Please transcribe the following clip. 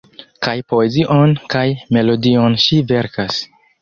Kaj poezion kaj melodion ŝi verkas.